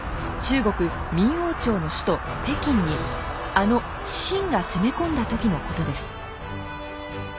中国明王朝の首都北京にあの清が攻め込んだ時のことです。